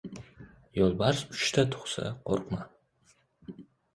• Yo‘lbars uchta tug‘sa qo‘rqma.